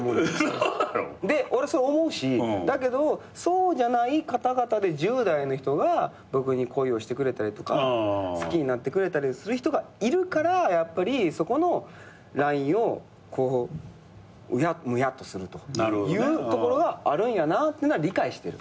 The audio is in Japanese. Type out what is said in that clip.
で俺それ思うしだけどそうじゃない方々で１０代の人が僕に恋をしてくれたりとか好きになってくれたりする人がいるからやっぱりそこのラインをうやむやとするというところがあるんやなってのは理解してる。